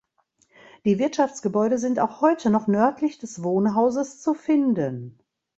Die Wirtschaftsgebäude sind auch heute noch nördlich des Wohnhauses zu finden.